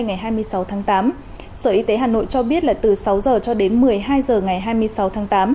ngày hai mươi sáu tháng tám sở y tế hà nội cho biết là từ sáu h cho đến một mươi hai h ngày hai mươi sáu tháng tám